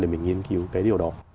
để mình nghiên cứu cái điều đó